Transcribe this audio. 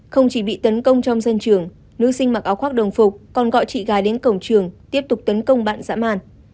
không chỉ bị tấn công trong sân trường nữ sinh mặc áo khoác đồng phục còn gọi chị gái đến cổng trường tiếp tục tấn công bạn dã màn